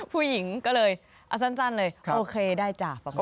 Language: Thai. ผู้หญิงก็เลยสั้นเลยโอเคได้จ้าประมาณนี้